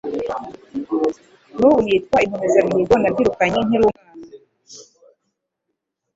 n'ubu nitwa Inkomezamihigo nabyirukanye nkili umwana.